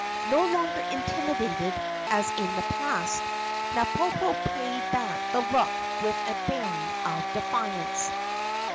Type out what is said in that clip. No longer intimidated, as in the past, Napopo paid back the look with a bearing of defiance.